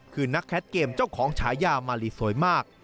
คือนักแคทเกมเจ้าของฉายามาลีสวยมาก